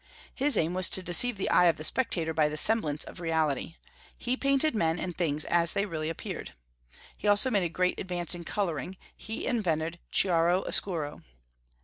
His aim was to deceive the eye of the spectator by the semblance of reality: he painted men and things as they really appeared. He also made a great advance in coloring: he invented chiaro oscuro.